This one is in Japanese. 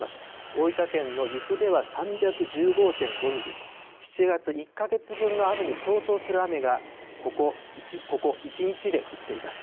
大分県の由布では３１５．５ミリ、７月１か月分の雨に相当する雨がここ一日で降っています。